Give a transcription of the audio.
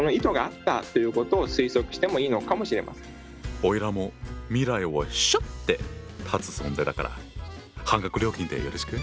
おいらも未来をしょって立つ存在だから半額料金でよろしく。